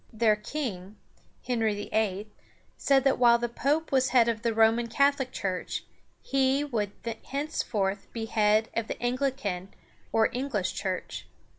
Their king, Henry VIII., said that while the pope was head of the Roman Catholic Church, he would henceforth be head of the An´gli can or English Church.